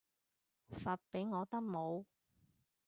發畀我得冇